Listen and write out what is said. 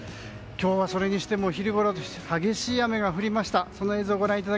今日はそれにしても昼ごろ激しい雨が降りました。